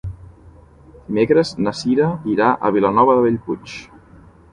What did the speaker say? Dimecres na Cira irà a Vilanova de Bellpuig.